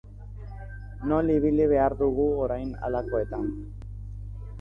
Nola ibili behar dugu orain halakoetan?